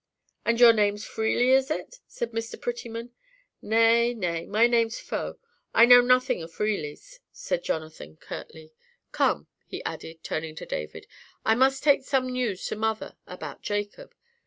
"And your name's Freely, is it?" said Mr. Prettyman. "Nay, nay, my name's Faux, I know nothing o' Freelys," said Jonathan, curtly. "Come," he added, turning to David, "I must take some news to mother about Jacob.